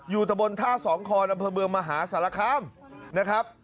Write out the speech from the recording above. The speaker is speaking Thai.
อยู่ตะบนท่าสองคลอนำเผลอเมืองมหาสารคาม